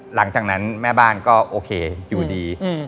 หลังจากนั้นแม่บ้านก็โอเคอยู่ดี